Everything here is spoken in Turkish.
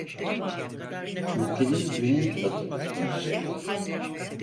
Ülkenin güney-batı kısmında yer alır.